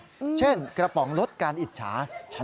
ได้ระบายความใจ